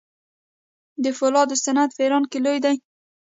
د فولادو صنعت په ایران کې لوی دی.